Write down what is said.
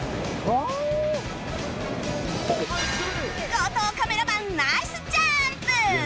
後藤カメラマンナイスジャンプ！